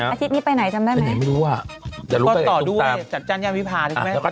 อาทิตย์นี้ไปไหนจำได้ไหมฟะจะรู้ไปอีกทำประหลาด